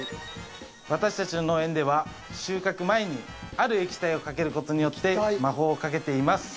私たちの農園では収穫前にある液体をかけることによって魔法をかけています